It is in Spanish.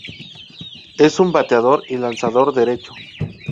Es un bateador y lanzador derecho.